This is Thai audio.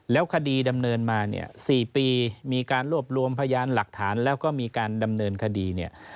แล้วคดีดำเนินมาเนี่ย๔ปีมีการรวบรวมพยานหลักฐานแล้วก็มีการดำเนินคดีเนี่ย